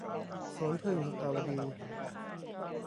สวนผึ้ง - สุภาวดี